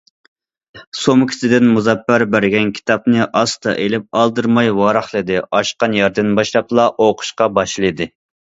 سومكىسىدىن مۇزەپپەر بەرگەن كىتابنى ئاستا ئېلىپ، ئالدىرىماي ۋاراقلىدى، ئاچقان يەردىن باشلاپلا ئوقۇشقا باشلىدى.